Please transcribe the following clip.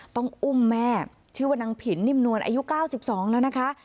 ต้องอุ้มแม่ชื่อว่านางผินนิ่มนวลอายุ๙๒แล้วนะคะ